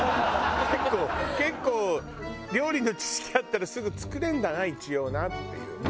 結構結構料理の知識あったらすぐ作れんだな一応なっていう。